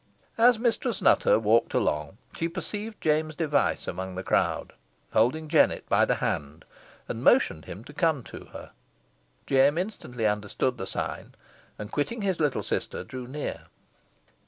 As Mistress Nutter walked along, she perceived James Device among the crowd, holding Jennet by the hand, and motioned him to come to her. Jem instantly understood the sign, and quitting his little sister, drew near.